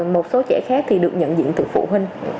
một số trẻ khác thì được nhận diện từ phụ huynh